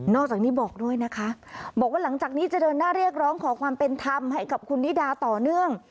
จากนี้บอกด้วยนะคะบอกว่าหลังจากนี้จะเดินหน้าเรียกร้องขอความเป็นธรรมให้กับคุณนิดาต่อเนื่อง